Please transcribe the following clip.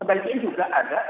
sebaiknya juga ada